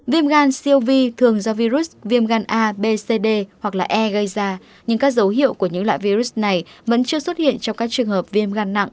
viêm gan cov thường do virus viêm gan a b c d hoặc e gây ra nhưng các dấu hiệu của những loại virus này vẫn chưa xuất hiện trong các trường hợp viêm gan nặng